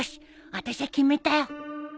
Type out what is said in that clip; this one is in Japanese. あたしゃ決めたよ！